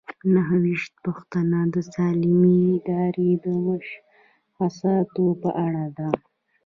نهه ویشتمه پوښتنه د سالمې ادارې د مشخصاتو په اړه ده.